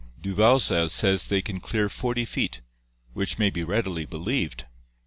Duvaucel says they can clear 40 feet, which may be readily believed.